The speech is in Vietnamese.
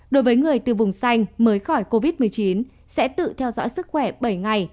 đối với người từ vùng xanh mới khỏi covid một mươi chín sẽ tự theo dõi sức khỏe bảy ngày